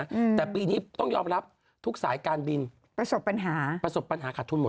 อืมแต่ปีนี้ต้องยอมรับทุกสายการบินประสบปัญหาประสบปัญหาขาดทุนหมด